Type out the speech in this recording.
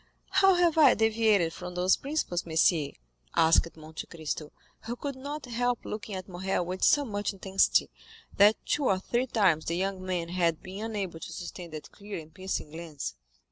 "How have I deviated from those principles, monsieur?" asked Monte Cristo, who could not help looking at Morrel with so much intensity, that two or three times the young man had been unable to sustain that clear and piercing glance.